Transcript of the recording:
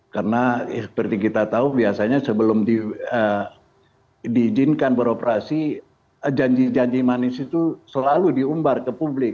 karena seperti kita tahu biasanya sebelum diizinkan beroperasi janji janji manis itu selalu diumbar ke publik